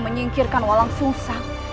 menyingkirkan walang susang